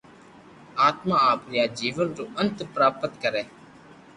آتما آپري آ جيون رو انت پراپت ڪري